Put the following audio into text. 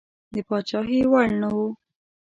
د پاچهي وړ نه وو.